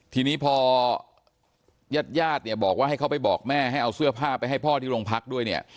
ทีนี้พอญาติญาติเนี่ยบอกว่าให้เขาไปบอกแม่ให้เอาเสื้อผ้าไปให้พ่อที่โรงพักด้วยเนี่ย